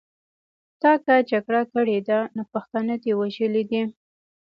تا که جګړه کړې ده نو پښتانه دې وژلي دي.